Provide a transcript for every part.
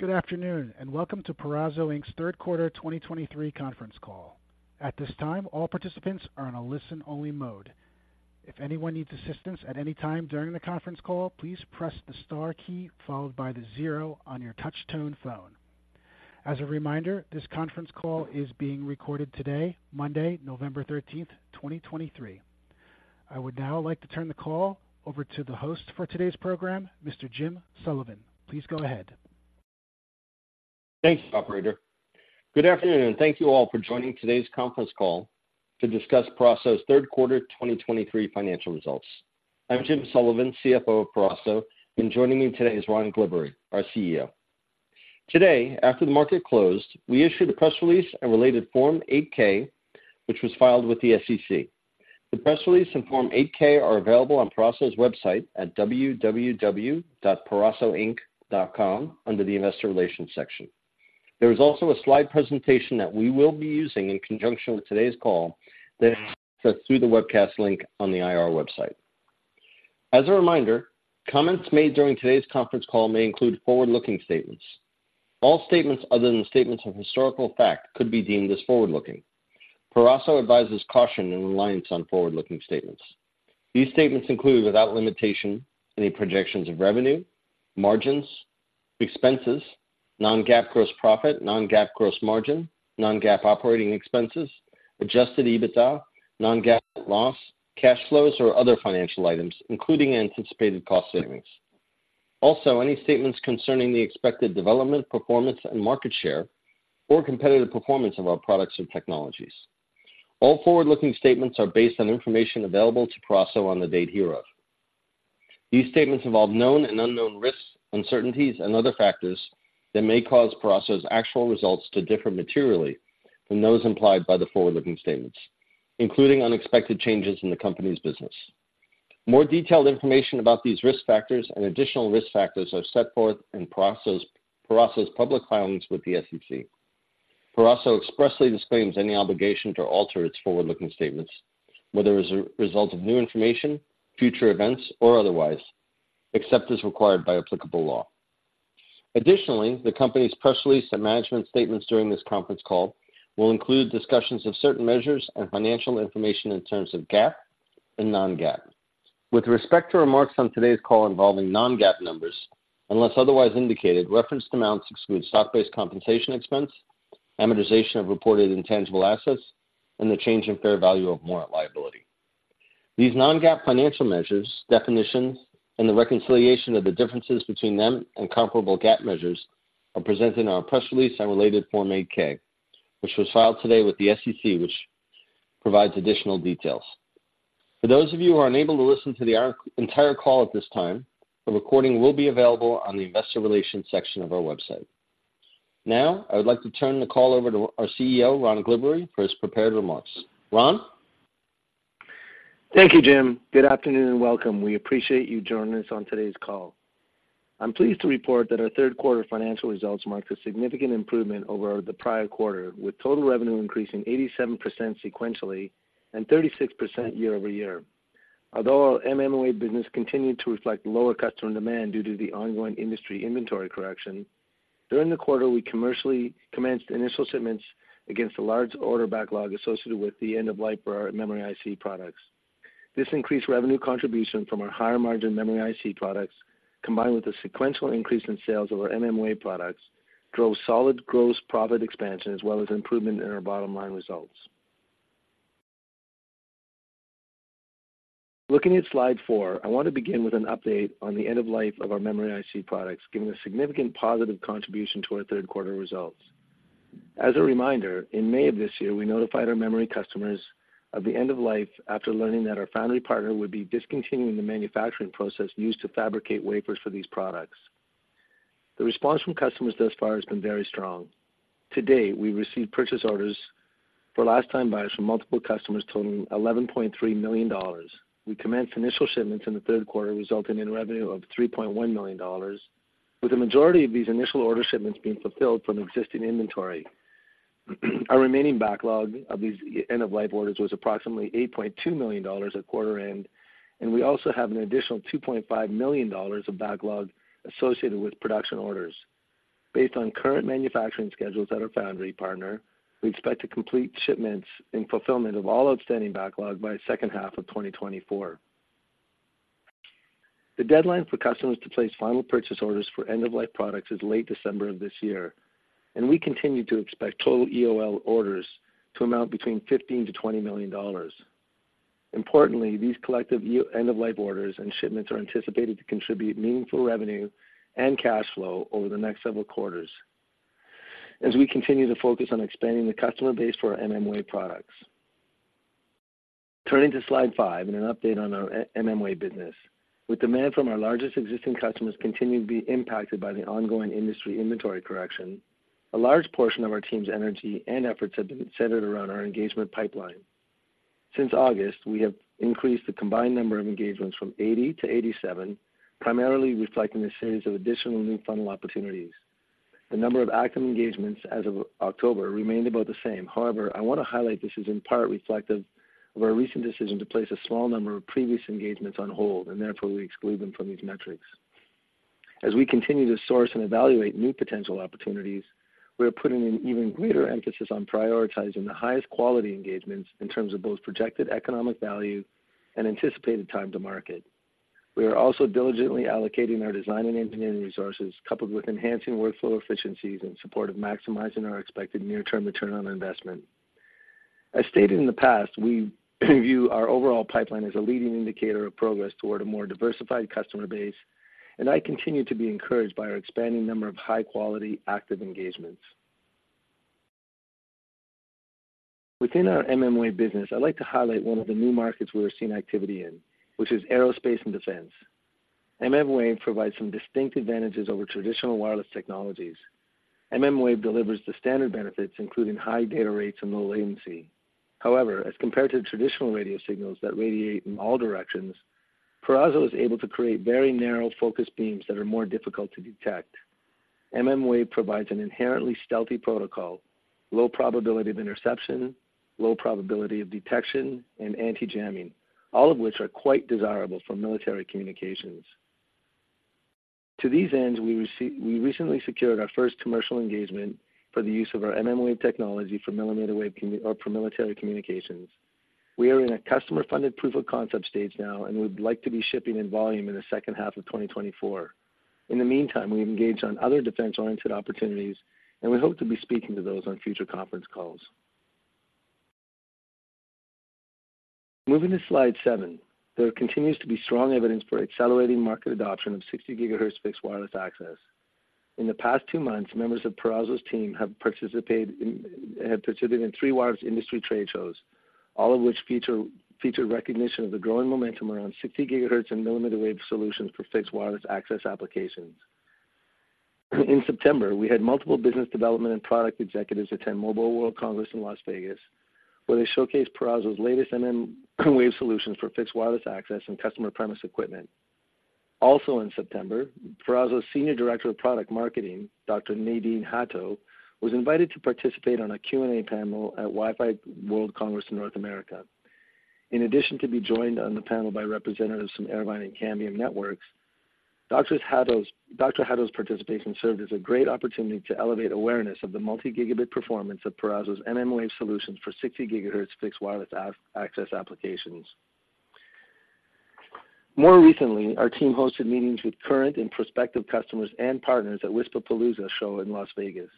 Good afternoon, and welcome to Peraso Inc.'s third quarter 2023 conference call. At this time, all participants are on a listen-only mode. If anyone needs assistance at any time during the conference call, please press the star key followed by the zero on your touch-tone phone. As a reminder, this conference call is being recorded today, Monday, November 13, 2023. I would now like to turn the call over to the host for today's program, Mr. Jim Sullivan. Please go ahead. Thank you, operator. Good afternoon, and thank you all for joining today's conference call to discuss Peraso's third quarter 2023 financial results. I'm Jim Sullivan, CFO of Peraso, and joining me today is Ron Glibbery, our CEO. Today, after the market closed, we issued a press release and related Form 8-K, which was filed with the SEC. The press release and Form 8-K are available on Peraso's website at www.perasoinc.com, under the Investor Relations section. There is also a slide presentation that we will be using in conjunction with today's call that through the webcast link on the IR website. As a reminder, comments made during today's conference call may include forward-looking statements. All statements other than the statements of historical fact could be deemed as forward-looking. Peraso advises caution in reliance on forward-looking statements. These statements include, without limitation, any projections of revenue, margins, expenses, non-GAAP gross profit, non-GAAP gross margin, non-GAAP operating expenses, adjusted EBITDA, non-GAAP loss, cash flows, or other financial items, including anticipated cost savings. Also, any statements concerning the expected development, performance, and market share or competitive performance of our products and technologies. All forward-looking statements are based on information available to Peraso on the date hereof. These statements involve known and unknown risks, uncertainties, and other factors that may cause Peraso's actual results to differ materially from those implied by the forward-looking statements, including unexpected changes in the company's business. More detailed information about these risk factors and additional risk factors are set forth in Peraso's, Peraso's public filings with the SEC. Peraso expressly disclaims any obligation to alter its forward-looking statements, whether as a result of new information, future events, or otherwise, except as required by applicable law. Additionally, the company's press release and management statements during this conference call will include discussions of certain measures and financial information in terms of GAAP and non-GAAP. With respect to remarks on today's call involving non-GAAP numbers, unless otherwise indicated, referenced amounts exclude stock-based compensation expense, amortization of reported intangible assets, and the change in fair value of warrant liability. These non-GAAP financial measures, definitions, and the reconciliation of the differences between them and comparable GAAP measures are presented in our press release and related Form 8-K, which was filed today with the SEC, which provides additional details. For those of you who are unable to listen to the entire call at this time, the recording will be available on the Investor Relations section of our website. Now, I would like to turn the call over to our CEO, Ron Glibbery, for his prepared remarks. Ron? Thank you, Jim. Good afternoon and welcome. We appreciate you joining us on today's call. I'm pleased to report that our third quarter financial results marked a significant improvement over the prior quarter, with total revenue increasing 87% sequentially and 36% year-over-year. Although our mmWave business continued to reflect lower customer demand due to the ongoing industry inventory correction, during the quarter, we commercially commenced initial shipments against a large order backlog associated with the end-of-life for our memory IC products. This increased revenue contribution from our higher-margin memory IC products, combined with a sequential increase in sales of our mmWave products, drove solid gross profit expansion as well as improvement in our bottom-line results. Looking at slide four, I want to begin with an update on the end-of-life of our memory IC products, giving a significant positive contribution to our third quarter results. As a reminder, in May of this year, we notified our memory customers of the end of life after learning that our foundry partner would be discontinuing the manufacturing process used to fabricate wafers for these products. The response from customers thus far has been very strong. To date, we've received purchase orders for last-time buyers from multiple customers totaling $11.3 million. We commenced initial shipments in the third quarter, resulting in revenue of $3.1 million, with the majority of these initial order shipments being fulfilled from existing inventory. Our remaining backlog of these end-of-life orders was approximately $8.2 million at quarter end, and we also have an additional $2.5 million of backlog associated with production orders. Based on current manufacturing schedules at our foundry partner, we expect to complete shipments in fulfillment of all outstanding backlog by H2 of 2024. The deadline for customers to place final purchase orders for end-of-life products is late December of this year, and we continue to expect total EOL orders to amount between $15 million to $20 million. Importantly, these collective end-of-life orders and shipments are anticipated to contribute meaningful revenue and cash flow over the next several quarters as we continue to focus on expanding the customer base for our mmWave products. Turning to slide five and an update on our mmWave business. With demand from our largest existing customers continuing to be impacted by the ongoing industry inventory correction, a large portion of our team's energy and efforts have been centered around our engagement pipeline. Since August, we have increased the combined number of engagements from 80 to 87, primarily reflecting the series of additional new funnel opportunities. The number of active engagements as of October remained about the same. However, I want to highlight this is in part reflective of our recent decision to place a small number of previous engagements on hold and therefore we exclude them from these metrics. As we continue to source and evaluate new potential opportunities, we are putting an even greater emphasis on prioritizing the highest quality engagements in terms of both projected economic value and anticipated time to market. We are also diligently allocating our design and engineering resources, coupled with enhancing workflow efficiencies in support of maximizing our expected near-term return on investment. As stated in the past, we view our overall pipeline as a leading indicator of progress toward a more diversified customer base, and I continue to be encouraged by our expanding number of high-quality, active engagements. Within our mmWave business, I'd like to highlight one of the new markets we are seeing activity in, which is aerospace and defense. mmWave provides some distinct advantages over traditional wireless technologies. mmWave delivers the standard benefits, including high data rates and low latency. However, as compared to traditional radio signals that radiate in all directions, Peraso is able to create very narrow, focused beams that are more difficult to detect. mmWave provides an inherently stealthy protocol, low probability of interception, low probability of detection, and anti-jamming, all of which are quite desirable for military communications. To these ends, we recently secured our first commercial engagement for the use of our mmWave technology for mmWave communications or for military communications. We are in a customer-funded proof of concept stage now, and we'd like to be shipping in volume in the H2 of 2024. In the meantime, we've engaged on other defense-oriented opportunities, and we hope to be speaking to those on future conference calls. Moving to slide seven, there continues to be strong evidence for accelerating market adoption of 60 GHz fixed wireless access. In the past two months, members of Peraso's team have participated in three wireless industry trade shows, all of which feature recognition of the growing momentum around 60 GHz and mmWave solutions for fixed wireless access applications. In September, we had multiple business development and product executives attend Mobile World Congress in Las Vegas, where they showcased Peraso's latest mmWave solutions for fixed wireless access and customer premise equipment. Also in September, Peraso's Senior Director of Product Marketing, Dr. Nadine Hatto, was invited to participate on a Q&A panel at Wi-Fi World Congress in North America. In addition to being joined on the panel by representatives from Airvine and Cambium Networks, Dr. Hatto's participation served as a great opportunity to elevate awareness of the multi-gigabit performance of Peraso's mmWave solutions for 60 GHz fixed wireless access applications. More recently, our team hosted meetings with current and prospective customers and partners at WISPAPALOOZA show in Las Vegas.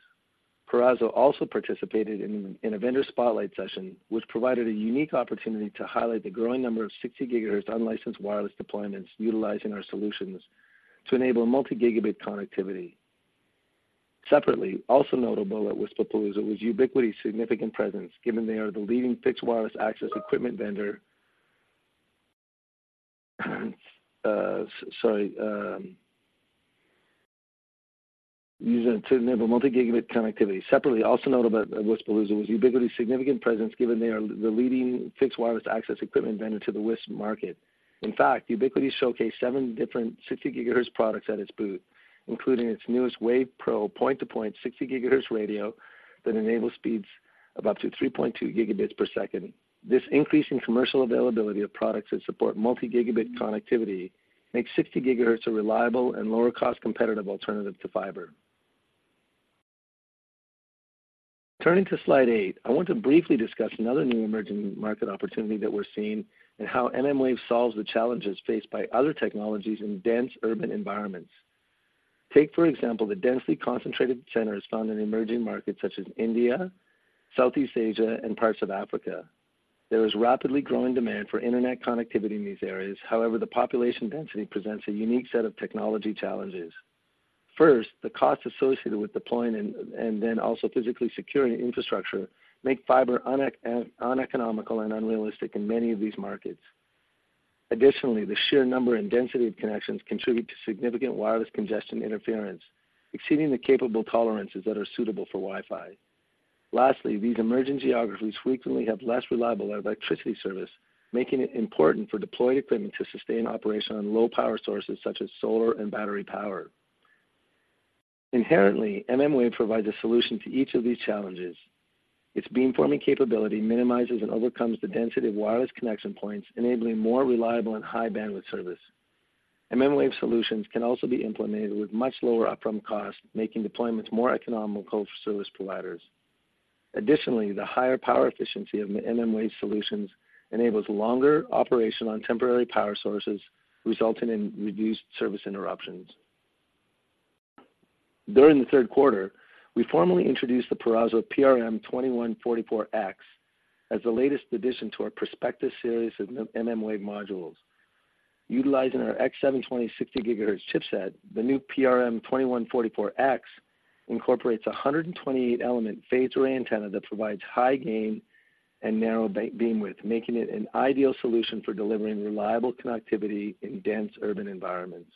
Peraso also participated in a vendor spotlight session, which provided a unique opportunity to highlight the growing number of 60 GHz unlicensed wireless deployments utilizing our solutions to enable multi-gigabit connectivity. Separately, also notable at WISPAPALOOZA was Ubiquiti's significant presence, given they are the leading fixed wireless access equipment vendor to the WISP market. In fact, Ubiquiti showcased seven different 60 GHz products at its booth, including its newest Wave Pro point-to-point 60 GHz radio that enables speeds up to 3.2 Gbps. This increase in commercial availability of products that support multi-gigabit connectivity makes 60 GHz a reliable and lower-cost competitive alternative to fiber. Turning to slide eight, I want to briefly discuss another new emerging market opportunity that we're seeing and how mmWave solves the challenges faced by other technologies in dense urban environments. Take, for example, the densely concentrated centers found in emerging markets such as India, Southeast Asia, and parts of Africa. There is rapidly growing demand for internet connectivity in these areas. However, the population density presents a unique set of technology challenges. First, the costs associated with deploying and then also physically securing infrastructure make fiber uneconomical and unrealistic in many of these markets. Additionally, the sheer number and density of connections contribute to significant wireless congestion interference, exceeding the capable tolerances that are suitable for Wi-Fi. Lastly, these emerging geographies frequently have less reliable electricity service, making it important for deployed equipment to sustain operation on low-power sources such as solar and battery power. Inherently, mmWave provides a solution to each of these challenges. Its beamforming capability minimizes and overcomes the density of wireless connection points, enabling more reliable and high bandwidth service. mmWave solutions can also be implemented with much lower upfront costs, making deployments more economical for service providers. Additionally, the higher power efficiency of mmWave solutions enables longer operation on temporary power sources, resulting in reduced service interruptions. During the third quarter, we formally introduced the Peraso PRM2144X as the latest addition to our Perspectus series of mmWave modules. Utilizing our X720 60 GHz chipset, the new PRM2144X incorporates a 128-element phased array antenna that provides high gain and narrow bandwidth, making it an ideal solution for delivering reliable connectivity in dense urban environments.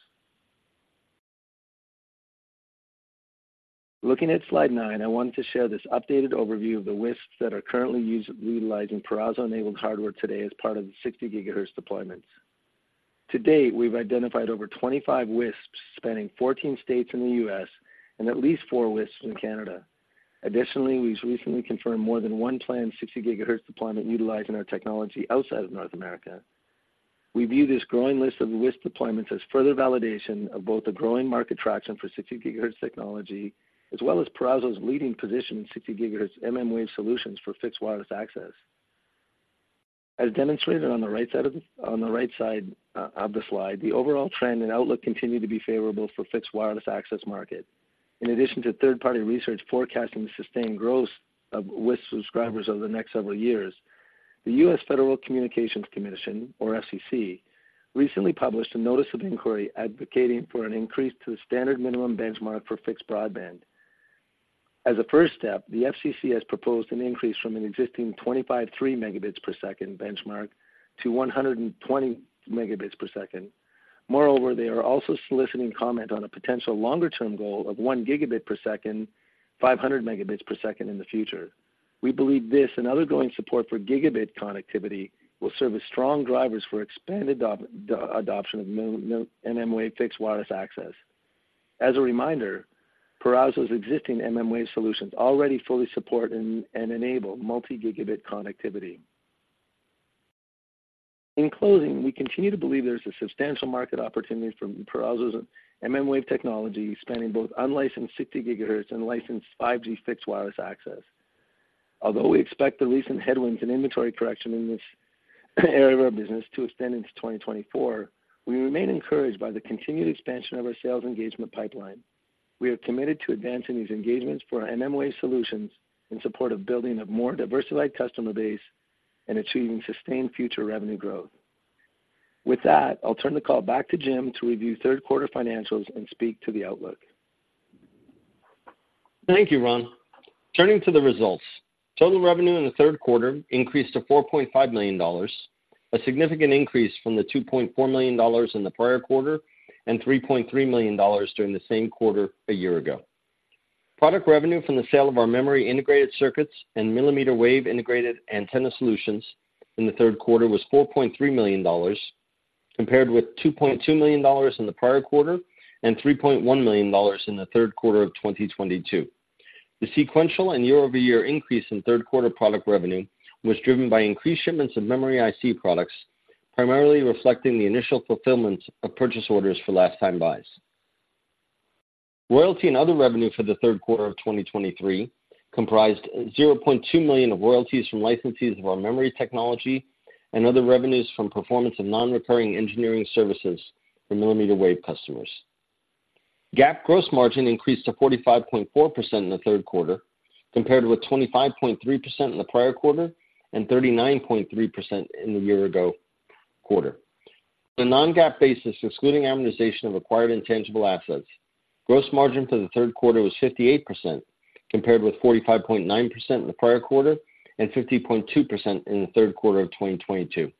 Looking at slide nine, I wanted to share this updated overview of the WISPs that are currently utilizing Peraso-enabled hardware today as part of the 60 gigahertz deployments. To date, we've identified over 25 WISPs spanning 14 states in the U.S. and at least four WISPs in Canada. Additionally, we've recently confirmed more than one planned 60 gigahertz deployment utilizing our technology outside of North America. We view this growing list of WISP deployments as further validation of both the growing market traction for 60 gigahertz technology, as well as Peraso's leading position in 60 gigahertz mmWave solutions for fixed wireless access. As demonstrated on the right side of the slide, the overall trend and outlook continue to be favorable for fixed wireless access market. In addition to third-party research forecasting the sustained growth of WISP subscribers over the next several years, the U.S. Federal Communications Commission, or FCC, recently published a notice of inquiry advocating for an increase to the standard minimum benchmark for fixed broadband. As a first step, the FCC has proposed an increase from an existing 25/3 Mbps benchmark to 120 Mbps. Moreover, they are also soliciting comment on a potential longer-term goal of 1 Gbps, 500 Mbps in the future. We believe this and other growing support for gigabit connectivity will serve as strong drivers for expanded adoption of mmWave fixed wireless access. As a reminder, Peraso's existing mmWave solutions already fully support and enable multi-gigabit connectivity. In closing, we continue to believe there's a substantial market opportunity for Peraso's mmWave technology, spanning both unlicensed 60 GHz and licensed 5G fixed wireless access. Although we expect the recent headwinds and inventory correction in this area of our business to extend into 2024, we remain encouraged by the continued expansion of our sales engagement pipeline. We are committed to advancing these engagements for our mmWave solutions in support of building a more diversified customer base and achieving sustained future revenue growth. With that, I'll turn the call back to Jim to review third quarter financials and speak to the outlook. Thank you, Ron. Turning to the results. Total revenue in the third quarter increased to $4.5 million, a significant increase from the $2.4 million in the prior quarter, and $3.3 million during the same quarter a year ago. Product revenue from the sale of our memory integrated circuits and mmWave integrated antenna solutions in the third quarter was $4.3 million, compared with $2.2 million in the prior quarter and $3.1 million in the third quarter of 2022. The sequential and year-over-year increase in third quarter product revenue was driven by increased shipments of memory IC products, primarily reflecting the initial fulfillment of purchase orders for last-time buys. Royalty and other revenue for the third quarter of 2023 comprised $0.2 million of royalties from licensees of our memory technology and other revenues from performance of non-recurring engineering services for mmWave customers. GAAP gross margin increased to 45.4% in the third quarter, compared with 25.3% in the prior quarter and 39.3% in the year ago quarter. On a non-GAAP basis, excluding amortization of acquired intangible assets, gross margin for the third quarter was 58%, compared with 45.9% in the prior quarter and 50.2% in the third quarter of 2022.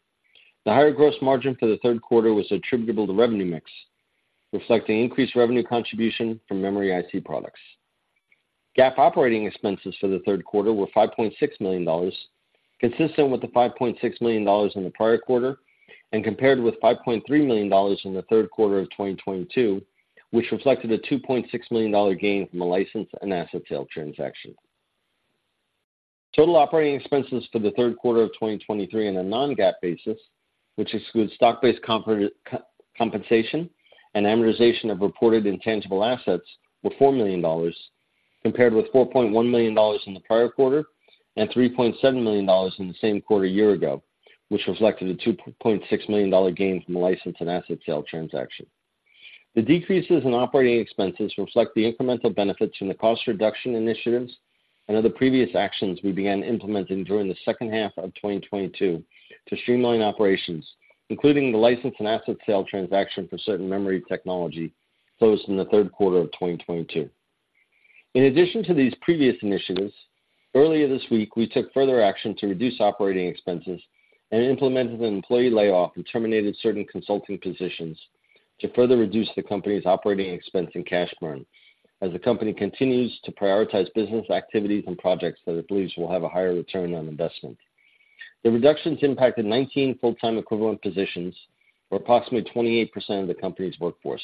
The higher gross margin for the third quarter was attributable to revenue mix, reflecting increased revenue contribution from memory IC products. GAAP operating expenses for the third quarter were $5.6 million, consistent with the $5.6 million in the prior quarter and compared with $5.3 million in the third quarter of 2022, which reflected a $2.6 million gain from a license and asset sale transaction. Total operating expenses for the third quarter of 2023 on a non-GAAP basis, which excludes stock-based compensation and amortization of reported intangible assets, were $4 million, compared with $4.1 million in the prior quarter and $3.7 million in the same quarter a year ago, which reflected a $2.6 million gain from a license and asset sale transaction. The decreases in operating expenses reflect the incremental benefits from the cost reduction initiatives and other previous actions we began implementing during the H2 of 2022 to streamline operations, including the license and asset sale transaction for certain memory technology closed in the third quarter of 2022. In addition to these previous initiatives, earlier this week, we took further action to reduce operating expenses and implemented an employee layoff and terminated certain consulting positions to further reduce the company's operating expense and cash burn, as the company continues to prioritize business activities and projects that it believes will have a higher return on investment. The reductions impacted 19 full-time equivalent positions, or approximately 28% of the company's workforce.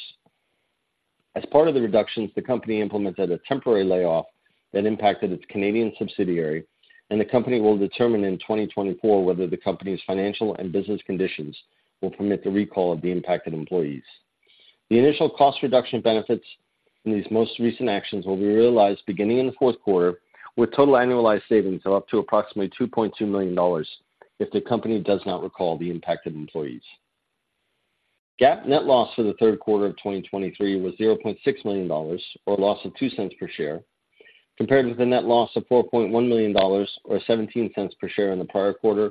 As part of the reductions, the company implemented a temporary layoff that impacted its Canadian subsidiary, and the company will determine in 2024 whether the company's financial and business conditions will permit the recall of the impacted employees. The initial cost reduction benefits in these most recent actions will be realized beginning in the fourth quarter, with total annualized savings of up to approximately $2.2 million if the company does not recall the impacted employees. GAAP net loss for the third quarter of 2023 was $0.6 million, or a loss of $0.02 per share, compared with a net loss of $4.1 million, or $0.17 per share in the prior quarter,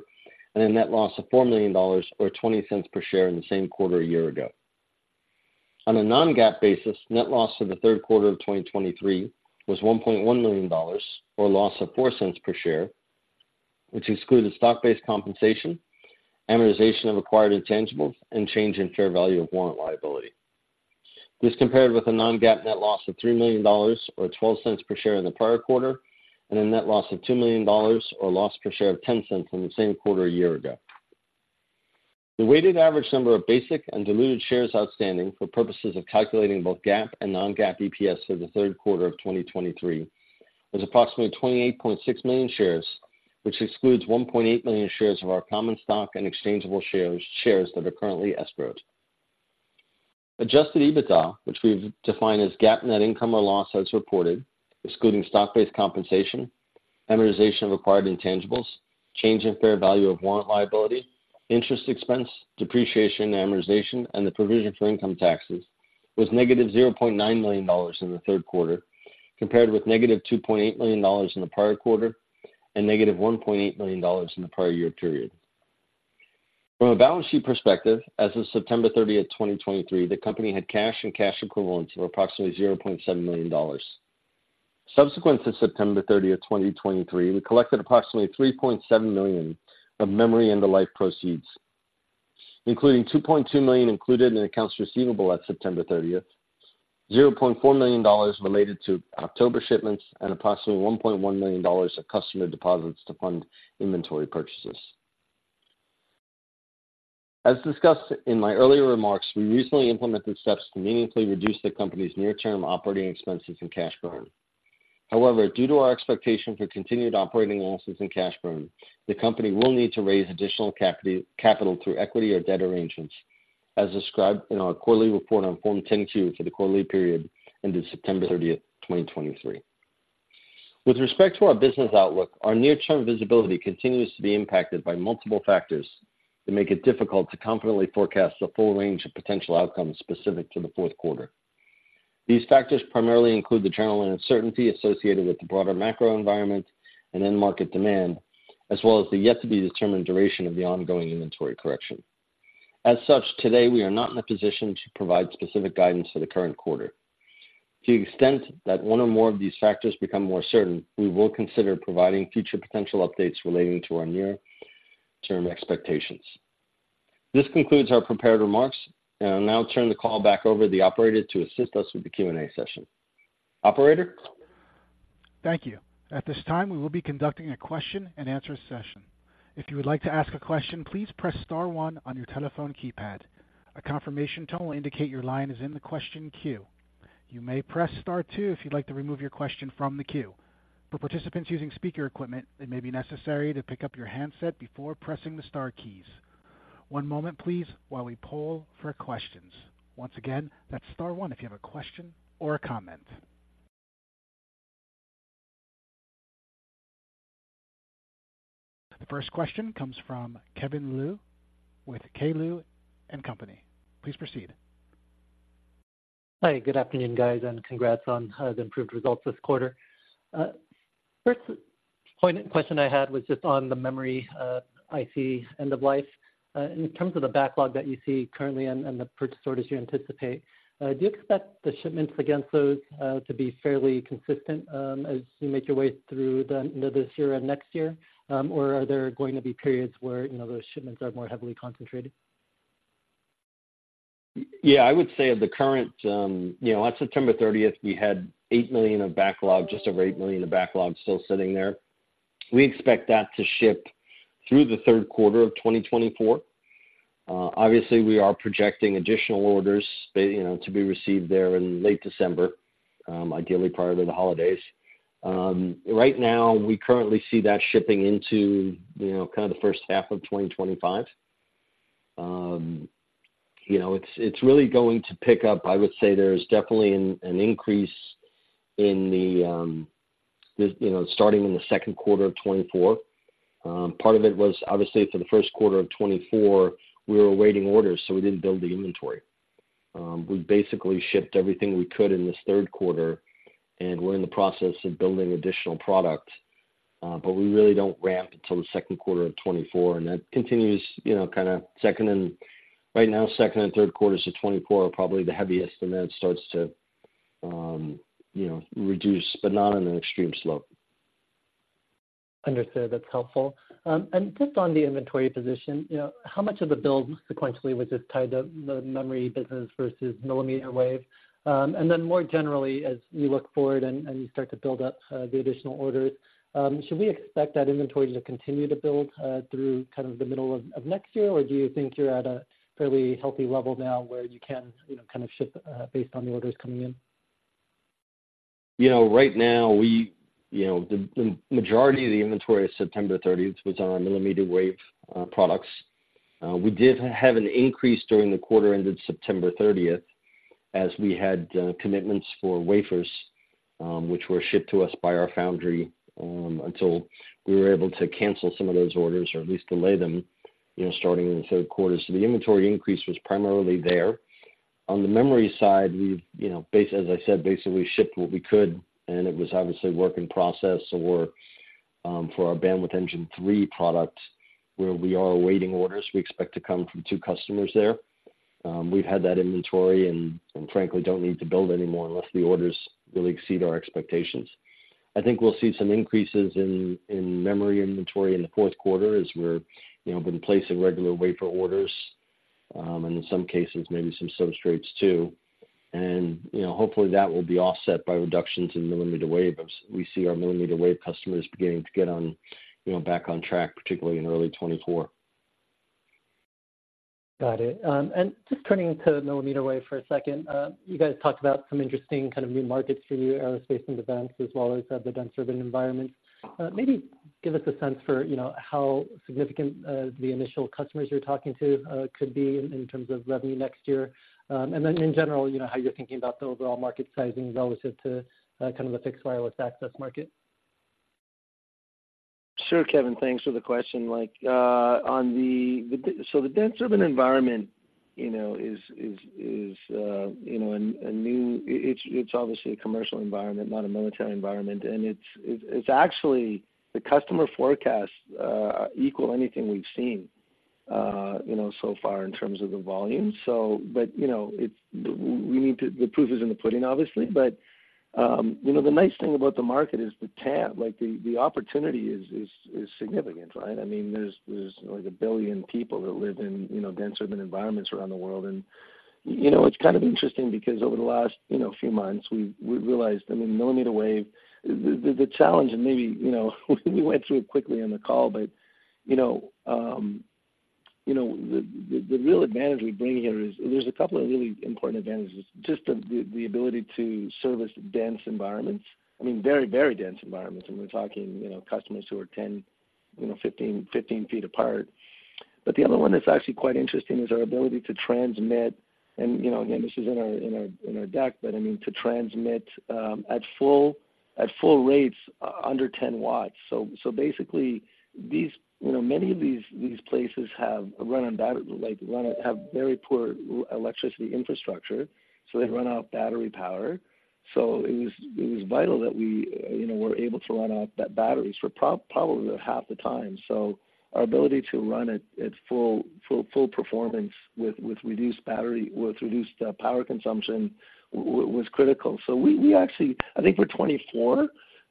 and a net loss of $4 million, or $0.20 per share in the same quarter a year ago. On a non-GAAP basis, net loss for the third quarter of 2023 was $1.1 million, or a loss of $0.04 per share, which excluded stock-based compensation, amortization of acquired intangibles, and change in fair value of warrant liability. This compared with a non-GAAP net loss of $3 million, or $0.12 per share in the prior quarter, and a net loss of $2 million, or a loss per share of $0.10 in the same quarter a year ago. The weighted average number of basic and diluted shares outstanding for purposes of calculating both GAAP and non-GAAP EPS for the third quarter of 2023 was approximately 28.6 million shares, which excludes 1.8 million shares of our common stock and exchangeable shares, shares that are currently escrowed. Adjusted EBITDA, which we've defined as GAAP net income or loss as reported, excluding stock-based compensation, amortization of acquired intangibles, change in fair value of warrant liability, interest expense, depreciation, amortization, and the provision for income taxes, was negative $0.9 million in the third quarter, compared with negative $2.8 million in the prior quarter and negative $1.8 million in the prior year period. From a balance sheet perspective, as of September 30, 2023, the company had cash and cash equivalents of approximately $0.7 million. Subsequent to September 30, 2023, we collected approximately $3.7 million of memory end-of-life proceeds, including $2.2 million included in accounts receivable at September 30, $0.4 million related to October shipments, and approximately $1.1 million of customer deposits to fund inventory purchases. As discussed in my earlier remarks, we recently implemented steps to meaningfully reduce the company's near-term operating expenses and cash burn. However, due to our expectation for continued operating losses and cash burn, the company will need to raise additional capital through equity or debt arrangements, as described in our quarterly report on Form 10-Q for the quarterly period ended September 30, 2023. With respect to our business outlook, our near-term visibility continues to be impacted by multiple factors that make it difficult to confidently forecast the full range of potential outcomes specific to the fourth quarter. These factors primarily include the general uncertainty associated with the broader macro environment and end market demand, as well as the yet to be determined duration of the ongoing inventory correction. As such, today, we are not in a position to provide specific guidance for the current quarter. To the extent that one or more of these factors become more certain, we will consider providing future potential updates relating to our near-term expectations. This concludes our prepared remarks, and I'll now turn the call back over to the operator to assist us with the Q&A session. Operator? Thank you. At this time, we will be conducting a question-and-answer session. If you would like to ask a question, please press star one on your telephone keypad. A confirmation tone will indicate your line is in the question queue. You may press Star two if you'd like to remove your question from the queue. For participants using speaker equipment, it may be necessary to pick up your handset before pressing the star keys. One moment please, while we poll for questions. Once again, that's Star one if you have a question or a comment. The first question comes from Kevin Liu with K. Liu & Company. Please proceed. Hi, good afternoon, guys, and congrats on the improved results this quarter. First question I had was just on the memory IC end of life. In terms of the backlog that you see currently and the purchase orders you anticipate, do you expect the shipments against those to be fairly consistent as you make your way through the end of this year and next year? Or are there going to be periods where, you know, those shipments are more heavily concentrated? Yeah, I would say at the current, you know, on September 30, we had $8 million of backlog, just over $8 million of backlog still sitting there. We expect that to ship through the third quarter of 2024. Obviously, we are projecting additional orders, you know, to be received there in late December, ideally prior to the holidays. Right now, we currently see that shipping into, you know, kind of the H1 of 2025. You know, it's really going to pick up. I would say there's definitely an increase in the, you know, starting in the second quarter of 2024. Part of it was obviously for the first quarter of 2024, we were awaiting orders, so we didn't build the inventory. We basically shipped everything we could in this third quarter, and we're in the process of building additional product, but we really don't ramp until the second quarter of 2024, and that continues, you know, kind of second and right now, second and third quarters of 2024 are probably the heaviest, and then it starts to, you know, reduce, but not on an extreme slope. Understood. That's helpful. And just on the inventory position, you know, how much of the build sequentially was just tied to the memory business versus mmWave? And then more generally, as you look forward and you start to build up the additional orders, should we expect that inventory to continue to build through kind of the middle of next year? Or do you think you're at a fairly healthy level now where you can, you know, kind of ship based on the orders coming in? You know, right now, we, you know, the majority of the inventory as of September 30th, was on our mmWave products. We did have an increase during the quarter ended September 30th, as we had commitments for wafers, which were shipped to us by our foundry, until we were able to cancel some of those orders, or at least delay them, you know, starting in the third quarter. So the inventory increase was primarily there. On the memory side, we've, you know, basically shipped what we could, and it was obviously work in process or for our Bandwidth Engine 3 product, where we are awaiting orders we expect to come from two customers there. We've had that inventory and frankly, don't need to build any more unless the orders really exceed our expectations. I think we'll see some increases in memory inventory in the fourth quarter as we're, you know, going to place some regular wafer orders. ... and in some cases, maybe some substrates too. And, you know, hopefully, that will be offset by reductions in mmWave, as we see our mmWave customers beginning to get on, you know, back on track, particularly in early 2024. Got it. And just turning to mmWave for a second. You guys talked about some interesting kind of new markets for you, aerospace and defense, as well as the dense urban environment. Maybe give us a sense for, you know, how significant the initial customers you're talking to could be in terms of revenue next year. And then in general, you know, how you're thinking about the overall market sizing relative to kind of the fixed wireless access market. Sure, Kevin, thanks for the question. Like, on the dense urban environment, you know, a new... It's actually the customer forecasts equal anything we've seen, you know, so far in terms of the volume. So but, you know, the proof is in the pudding, obviously. But, you know, the nice thing about the market is the TAM, like, the opportunity is significant, right? I mean, there's like 1 billion people that live in, you know, dense urban environments around the world. You know, it's kind of interesting because over the last, you know, few months, we've realized, I mean, mmWave, the challenge and maybe, you know, we went through it quickly on the call, but, you know, the real advantage we bring here is there's a couple of really important advantages. Just the ability to service dense environments, I mean, very, very dense environments, and we're talking, you know, customers who are 10, you know, 15, 15 feet apart. But the other one that's actually quite interesting is our ability to transmit, and, you know, again, this is in our deck, but I mean, to transmit at full rates under 10 watts. So, basically, you know, many of these places have run on battery, like, run on battery power with very poor electricity infrastructure, so they run off battery power. So it was vital that we, you know, were able to run off that batteries for probably half the time. So our ability to run at full performance with reduced battery, with reduced power consumption was critical. So we actually, I think for 2024,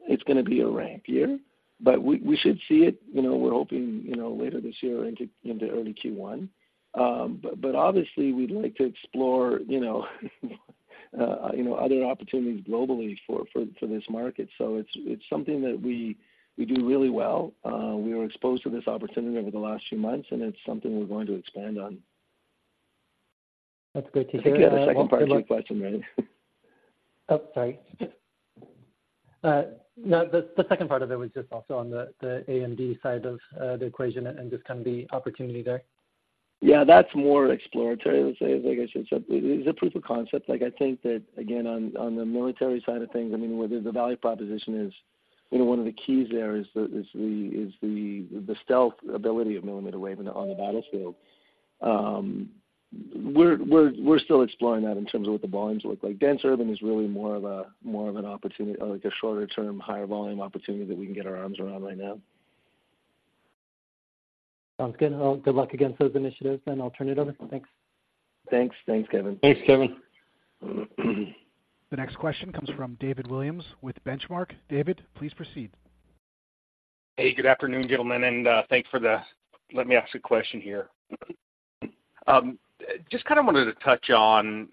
it's gonna be a ramp year, but we should see it, you know, we're hoping, you know, later this year into early Q1. But obviously, we'd like to explore, you know, you know, other opportunities globally for this market. So it's something that we do really well. We were exposed to this opportunity over the last few months, and it's something we're going to expand on. That's great to hear. I think you had a second part to your question, right? Oh, sorry. No, the second part of it was just also on the A&D side of the equation and just kind of the opportunity there. Yeah, that's more exploratory, let's say, like I said. So it's a proof of concept. Like, I think that, again, on the military side of things, I mean, where the value proposition is, you know, one of the keys there is the stealth ability of mmWave on the battlefield. We're still exploring that in terms of what the volumes look like. Dense urban is really more of an opportunity, like a shorter-term, higher-volume opportunity that we can get our arms around right now. Sounds good. Well, good luck against those initiatives, and I'll turn it over. Thanks. Thanks. Thanks, Kevin. Thanks, Kevin. The next question comes from David Williams with Benchmark. David, please proceed. Hey, good afternoon, gentlemen, and, thanks for the... Let me ask a question here. Just kind of wanted to touch on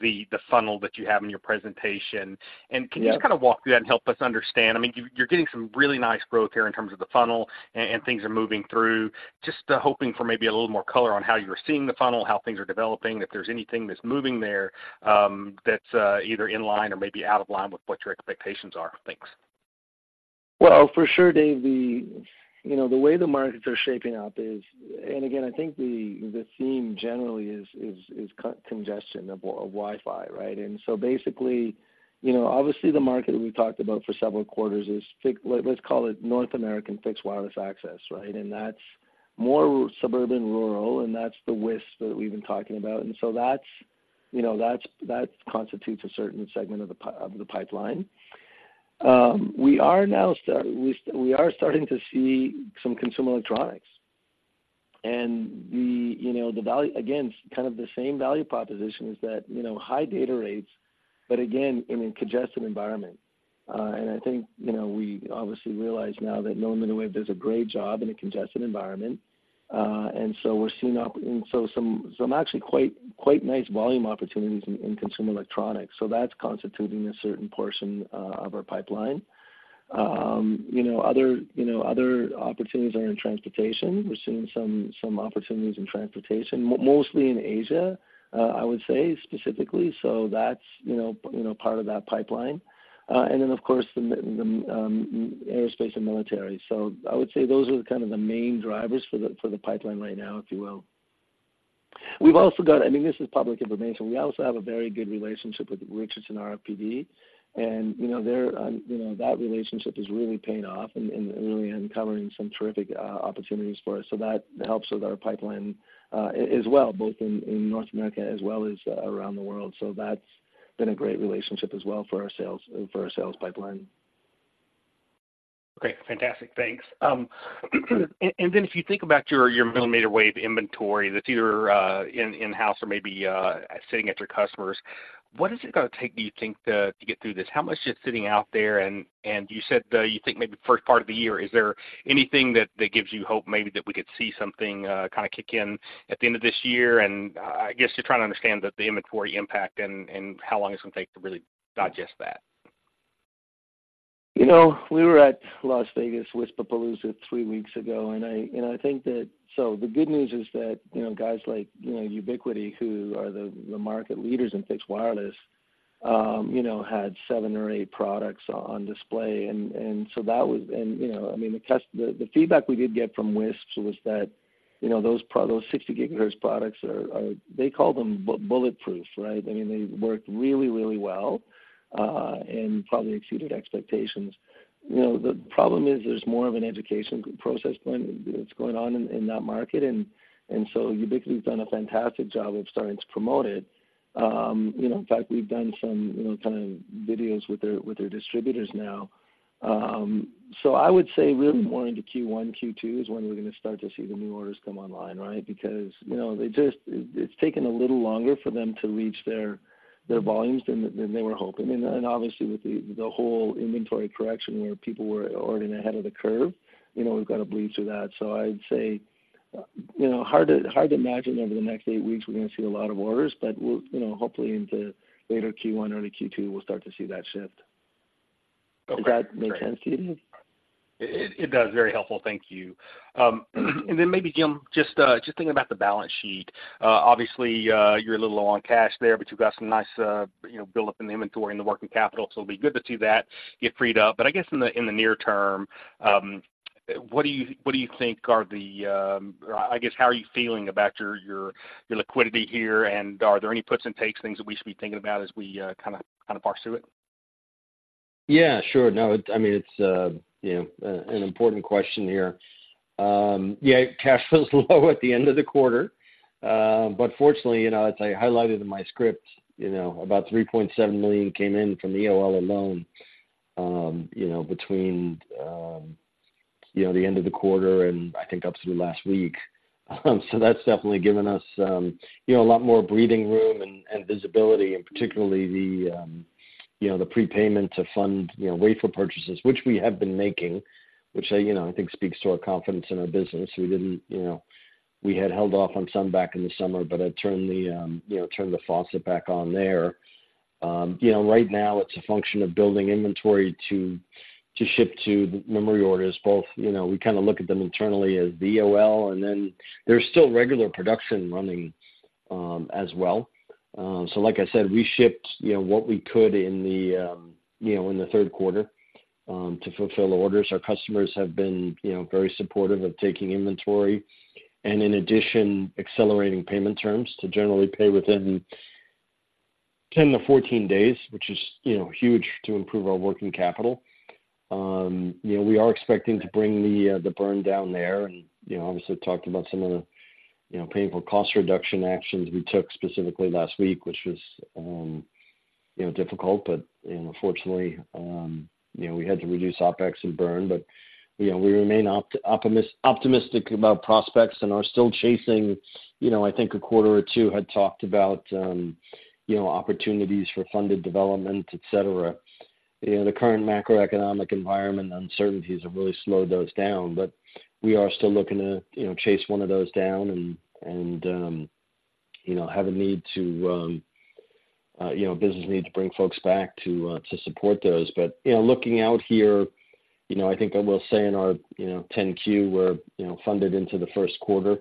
the funnel that you have in your presentation. Yeah. Can you just kind of walk through that and help us understand? I mean, you, you're getting some really nice growth here in terms of the funnel and, and things are moving through. Just, hoping for maybe a little more color on how you're seeing the funnel, how things are developing, if there's anything that's moving there, that's, either in line or maybe out of line with what your expectations are. Thanks. Well, for sure, Dave, you know, the way the markets are shaping up is, and again, I think the theme generally is congestion of Wi-Fi, right? And so basically, you know, obviously, the market we've talked about for several quarters is let's call it North American fixed wireless access, right? And that's more suburban, rural, and that's the WISP that we've been talking about. And so that's, you know, that's, that constitutes a certain segment of the pipeline. We are starting to see some consumer drives. And the, you know, the value, again, kind of the same value proposition is that, you know, high data rates, but again, in a congested environment. And I think, you know, we obviously realize now that mmWave does a great job in a congested environment. And so we're seeing some actually quite nice volume opportunities in consumer electronics. So that's constituting a certain portion of our pipeline. You know, other opportunities are in transportation. We're seeing some opportunities in transportation, mostly in Asia, I would say specifically. So that's you know part of that pipeline. And then, of course, the aerospace and military. So I would say those are kind of the main drivers for the pipeline right now, if you will. We've also got, I mean, this is public information. We also have a very good relationship with Richardson RFPD, and you know that relationship is really paying off and really uncovering some terrific opportunities for us. So that helps with our pipeline, as well, both in North America as well as around the world. So that's been a great relationship as well for our sales, for our sales pipeline.... Okay, fantastic. Thanks. And then if you think about your mmWave inventory that's either in-house or maybe sitting at your customers, what is it gonna take, do you think, to get through this? How much is sitting out there? And you said you think maybe the first part of the year, is there anything that gives you hope, maybe that we could see something kinda kick in at the end of this year? And I guess just trying to understand the inventory impact and how long it's gonna take to really digest that. You know, we were at Las Vegas WISPAPALOOZA three weeks ago, and I think that. So the good news is that, you know, guys like Ubiquiti, who are the market leaders in fixed wireless, you know, had seven or eight products on display. And so that was. And, you know, I mean, the feedback we did get from WISPs was that, you know, those products, those 60 GHz products are, they call them bulletproof, right? I mean, they worked really, really well, and probably exceeded expectations. You know, the problem is, there's more of an education process going on in that market. And so Ubiquiti's done a fantastic job of starting to promote it. You know, in fact, we've done some, you know, kind of videos with their distributors now. So I would say really more into Q1, Q2 is when we're gonna start to see the new orders come online, right? Because, you know, they just, it's taken a little longer for them to reach their volumes than they were hoping. And then, obviously, with the whole inventory correction, where people were already ahead of the curve, you know, we've got to bleed through that. So I'd say, you know, hard to imagine over the next eight weeks, we're gonna see a lot of orders, but we'll, you know, hopefully in the later Q1 or the Q2, we'll start to see that shift. Okay. Does that make sense to you? It does. Very helpful. Thank you. And then maybe, Jim, just thinking about the balance sheet. Obviously, you're a little low on cash there, but you've got some nice, you know, build up in the inventory and the working capital, so it'll be good to see that get freed up. But I guess in the near term, what do you think are the... I guess, how are you feeling about your liquidity here? And are there any puts and takes, things that we should be thinking about as we kind of parse through it? Yeah, sure. No, I mean, it's you know, an important question here. Yeah, cash was low at the end of the quarter. But fortunately, you know, as I highlighted in my script, you know, about $3.7 million came in from the EOL alone, you know, between you know, the end of the quarter and I think up through last week. So that's definitely given us you know, a lot more breathing room and, and visibility, and particularly the you know, the prepayment to fund you know, wafer purchases, which we have been making, which I you know, think speaks to our confidence in our business. We didn't you know, we had held off on some back in the summer, but I turned the you know, turned the faucet back on there. You know, right now it's a function of building inventory to ship to the memory orders, both—you know, we kind of look at them internally as the EOL—and then there's still regular production running, as well. So like I said, we shipped, you know, what we could in the third quarter to fulfill orders. Our customers have been, you know, very supportive of taking inventory and, in addition, accelerating payment terms to generally pay within 10-14 days, which is, you know, huge to improve our working capital. You know, we are expecting to bring the burn down there and, you know, obviously talked about some of the, you know, painful cost reduction actions we took specifically last week, which was, you know, difficult. But, you know, unfortunately, we had to reduce OpEx and burn, but, you know, we remain optimistic about prospects and are still chasing, you know, I think a quarter or two had talked about, opportunities for funded development, et cetera. You know, the current macroeconomic environment, uncertainties have really slowed those down, but we are still looking to, you know, chase one of those down and, you know, have a need to, you know, business need to bring folks back to, to support those. But, you know, looking out here, you know, I think I will say in our, you know, 10-Q, we're, you know, funded into the first quarter.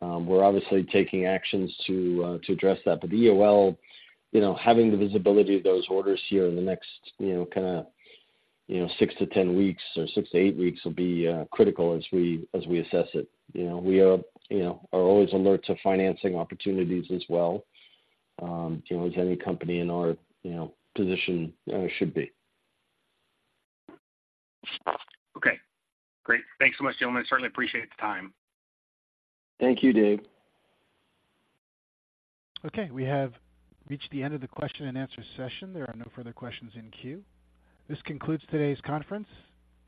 We're obviously taking actions to, to address that. But EOL, you know, having the visibility of those orders here in the next, you know, kinda, you know, 6-10 weeks or 6-8 weeks will be critical as we assess it. You know, we are always alert to financing opportunities as well, you know, as any company in our, you know, position should be. Okay, great. Thanks so much, gentlemen. I certainly appreciate the time. Thank you, Dave. Okay, we have reached the end of the question and answer session. There are no further questions in queue. This concludes today's conference,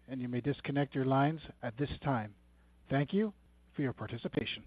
and you may disconnect your lines at this time. Thank you for your participation.